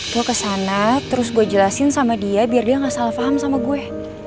gue kesana terus gue jelasin sama dia biar dia gak salah paham sama gue